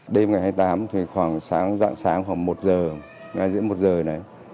đêm ngày hai mươi tám thì khoảng sáng dạng sáng khoảng một giờ ngay giữa một giờ này